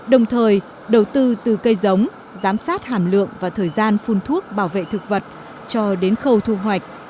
đồng thời đầu tư từ cây giống giám sát hàm lượng và thời gian phun thuốc bảo vệ thực vật cho đến khâu thu hoạch